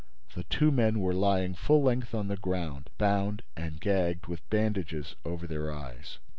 The two men were lying full length on the ground, bound and gagged, with bandages over their eyes.